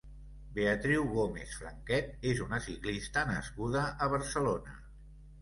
Beatriu Gómez Franquet és una ciclista nascuda a Barcelona.